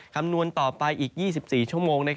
คำนวณต่อไปอีก๒๔ชั่วโมง